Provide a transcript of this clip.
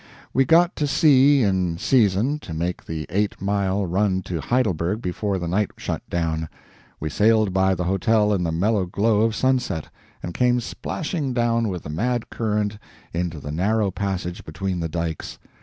We got to sea in season to make the eight mile run to Heidelberg before the night shut down. We sailed by the hotel in the mellow glow of sunset, and came slashing down with the mad current into the narrow passage between the dikes.